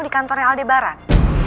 di kantornya aldebaran